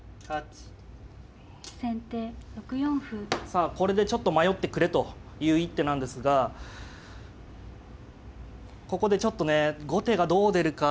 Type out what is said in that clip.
さあこれでちょっと迷ってくれという一手なんですがここでちょっとね後手がどう出るか。